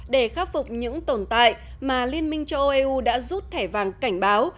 để khắc phục những tồn tại mà liên minh châu âu eu đã rút thẻ vàng cảnh báo